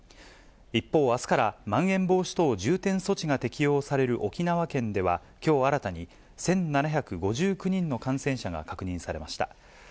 一方、あすからまん延防止等重点措置が適用される沖縄県では、きょう新たに１７５９人の感染者が確認されました。